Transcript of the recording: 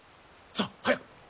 さあ早く。